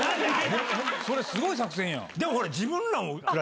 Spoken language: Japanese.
それすごい作戦やん！